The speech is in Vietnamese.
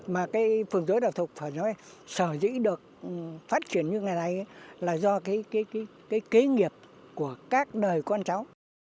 mà cái phường dứa đạo thục phải nói sở dĩ được phát triển như ngày nay là do cái kế nghiệp của các đời con cháu